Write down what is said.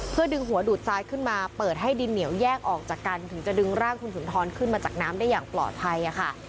เพื่อดึงหัวดูดทรายขึ้นมาเปิดให้ดินเหนียวแยกออกจากกันถึงจะดึงร่างคุณสุนทรขึ้นมาจากน้ำได้อย่างปลอดภัยค่ะ